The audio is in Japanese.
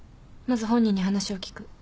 まず本人に話を聞く。